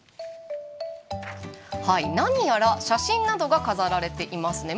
何やら写真などが飾られていますね。